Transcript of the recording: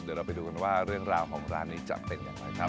เดี๋ยวเราไปดูกันว่าเรื่องราวของร้านนี้จะเป็นอย่างไรครับ